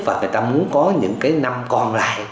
và người ta muốn có những năm còn lại